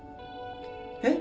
えっ？